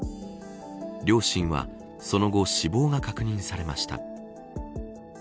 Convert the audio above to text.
両親はその後死亡が確認されました。